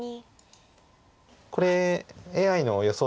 これＡＩの予想